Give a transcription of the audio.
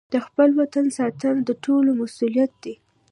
د خپل وطن ساتنه د ټولو مسوولیت دی.